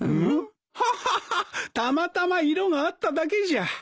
ハハハたまたま色が合っただけじゃ。